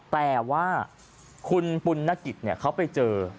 แต่ว่าคุณปุณนกิจเขาไปเจอ